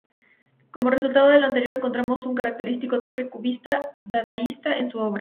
Como resultado de lo anterior encontramos un característico toque cubista-dadaísta en su obra.